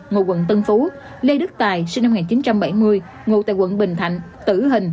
ngụ quận tân phú lê đức tài sinh năm một nghìn chín trăm bảy mươi ngụ tại quận bình thạnh tử hình